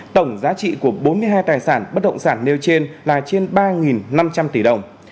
tổng giá trị của bốn mươi hai tài sản bất động sản nêu trên là trên ba năm trăm linh tỷ đồng